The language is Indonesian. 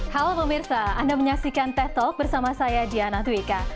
halo pemirsa anda menyaksikan tech talk bersama saya diana twika